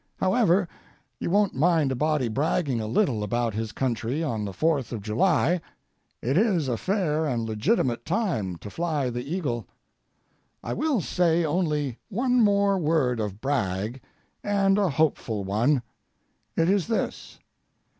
However, you won't mind a body bragging a little about his country on the Fourth of July. It is a fair and legitimate time to fly the eagle. I will say only one more word of brag—and a hopeful one. It is this.